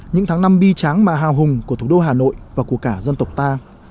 những tháng năm bi tráng mà hào hùng của thủ đô hà nội và của cả dân tộc ta